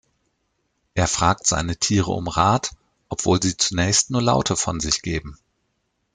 Er fragt seine Tiere um Rat, obwohl sie zunächst nur Laute von sich geben.